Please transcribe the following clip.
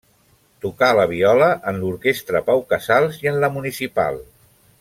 Tocà la viola en l'Orquestra Pau Casals i en la Municipal.